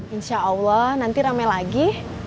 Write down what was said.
insya allah nanti rame lagi